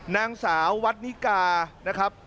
นางสาววัดนิกา